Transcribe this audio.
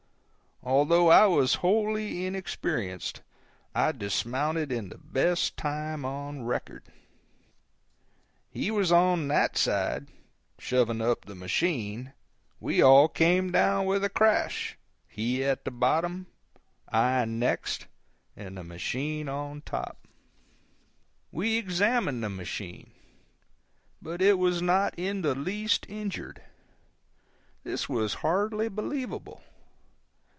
Although I was wholly inexperienced, I dismounted in the best time on record. He was on that side, shoving up the machine; we all came down with a crash, he at the bottom, I next, and the machine on top. We examined the machine, but it was not in the least injured. This was hardly believable.